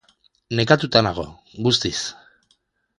Nekatuta nago, guztiz.